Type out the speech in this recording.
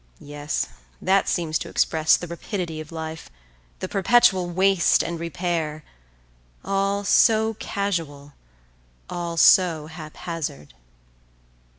Yes, that seems to express the rapidity of life, the perpetual waste and repair; all so casual, all so haphazard.